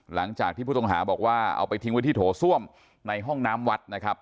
หลังจากที่ผู้ต้องหาบอกว่าเอาไปทิ้งไว้ที่โถส้วมในห้องน้ำวัดนะครับ